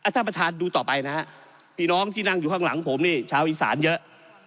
ท่านประธานดูต่อไปนะฮะพี่น้องที่นั่งอยู่ข้างหลังผมนี่ชาวอีสานเยอะ